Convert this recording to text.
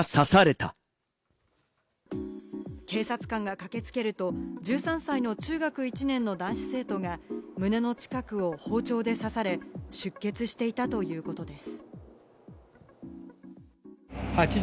警察官が駆けつけると１３歳の中学１年の男子生徒が胸の近くを包丁で刺され、出血していたということです。